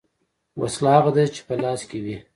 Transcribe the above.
ـ وسله هغه ده چې په لاس کې وي .